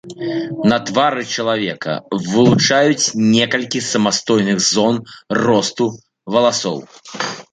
На твары чалавека, вылучаюць некалькі самастойных зон росту валасоў.